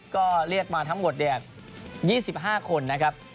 ก็เรียกมาทั้งหมด๒๕คนนะครับ